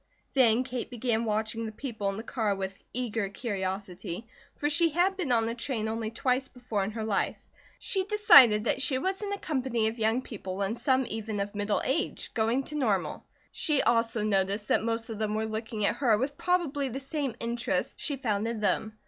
Then Kate began watching the people in the car with eager curiosity, for she had been on a train only twice before in her life. She decided that she was in a company of young people and some even of middle age, going to Normal. She also noticed that most of them were looking at her with probably the same interest she found in them.